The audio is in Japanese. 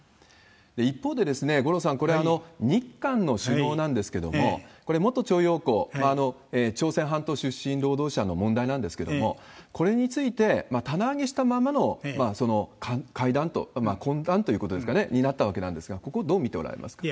一方で五郎さん、これ、日韓の首脳なんですけれども、これ、元徴用工、朝鮮半島出身労働者の問題なんですけれども、これについて棚上げしたまんまの会談と、懇談ということですかね、なったわけですが、ここ、どう見ておられますか？